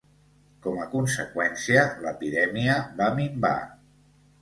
Com a conseqüència, l'epidèmia va minvar.